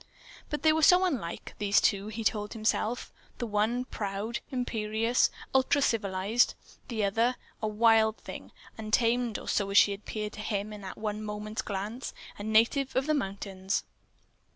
But they were so unlike, these two, he told himself. The one proud, imperious, ultra civilized; the other, a wild thing, untamed, or so she had appeared to him in that one moment's glance, a native of the mountains.